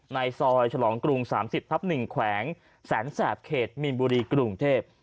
ในซอยฉลองกรุง๓๐ทับ๑แขวงแสนแสบเขตมีนบุรีกรุงเทพ